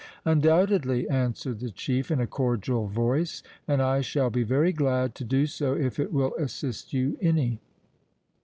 "Undoubtedly," answered the chief, in a cordial voice, "and I shall be very glad to do so if it will assist you any."